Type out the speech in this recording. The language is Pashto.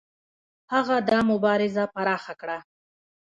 هغه دا مبارزه پراخه کړه.